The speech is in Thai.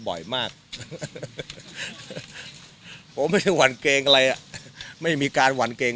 บ่อยมากผมไม่ได้หวั่นเกรงอะไรอ่ะไม่มีการหวั่นเกรง